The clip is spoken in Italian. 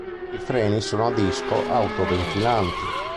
I freni sono a disco autoventilati.